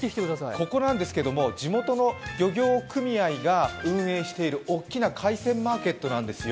ここなんですけど、地元の漁業組合が運営している大きな海鮮マーケットなんですよ。